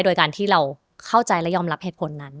โดยการที่เราเข้าใจและยอมรับเหตุผลนั้น